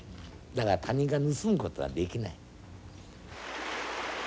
だから他人が盗むことはできない。